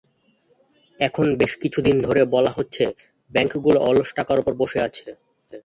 এখন বেশ কিছুদিন ধরে বলা হচ্ছে, ব্যাংকগুলো অলস টাকার ওপর বসে আছে।